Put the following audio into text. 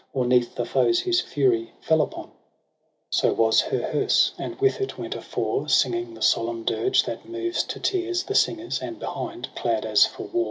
Or 'neath the foes his fiiry fell upon,— APRIL 95 So was her hearse : and with it went afore. Singing the solemn dirge that moves to tears. The singers ; and behind, clad as for war.